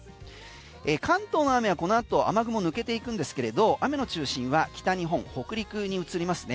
関東の雨はこのあと雨雲抜けていくんですけど雨の中心は北日本、北陸に移りますね。